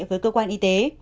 với cơ quan y tế